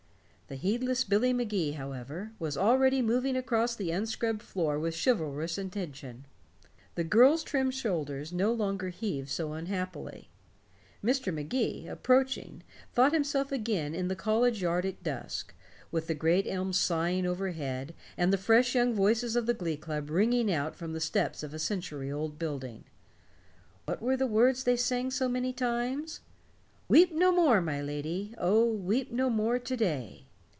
The heedless Billy Magee, however, was already moving across the unscrubbed floor with chivalrous intention. The girl's trim shoulders no longer heaved so unhappily. Mr. Magee, approaching, thought himself again in the college yard at dusk, with the great elms sighing overhead, and the fresh young voices of the glee club ringing out from the steps of a century old building. What were the words they sang so many times? "Weep no more, my lady, Oh! weep no more to day."